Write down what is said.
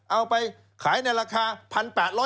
เอาไปขายในราคา๑๘๐๐บาท